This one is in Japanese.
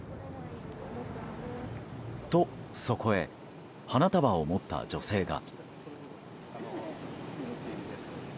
と、そこへ花束を持った女性が。